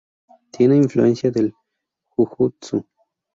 Tiene influencia del jujutsu.